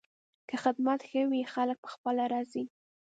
که خدمت ښه وي، خلک پخپله راځي.